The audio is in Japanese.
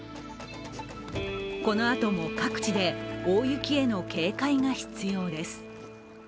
このあとも各地で大雪への警戒が必要です。